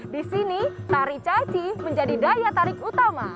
di sini tari caci menjadi daya tarik utama